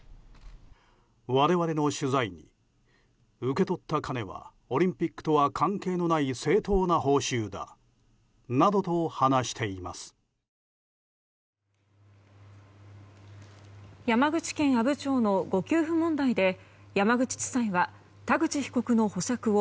我々の取材に、受け取った金はオリンピックとは関係のない正当な報酬だなどと話しています。